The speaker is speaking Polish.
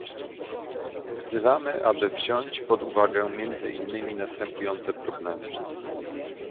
Wzywamy, aby wziąć pod uwagę między innymi następujące problemy